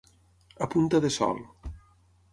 A punta de sol.